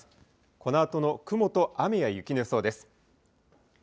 このあとの雲と雨や雪の予想です。